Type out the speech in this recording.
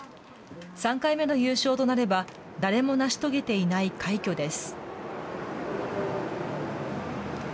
３回目の優勝となれば、誰も成し遂げていない快挙です。